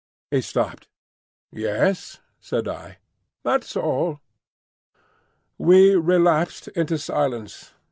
He stopped. "Yes?" said I. "That's all." We relapsed into silence.